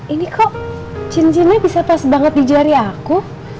ini kok cincinnya bisa pas banget di jari aku